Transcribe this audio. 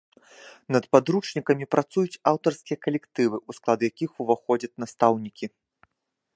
Над падручнікамі працуюць аўтарскія калектывы, у склад якіх уваходзяць настаўнікі.